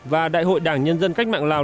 và đại hội đảng nhân dân cách mạng lào